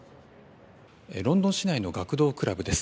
ロンドン市内の学童クラブです。